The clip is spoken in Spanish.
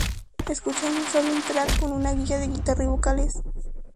Escuchamos solo un "track" con una guía de guitarra y vocales.